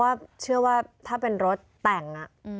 เพราะว่าเชื่อว่าถ้าเป็นรถแต่ง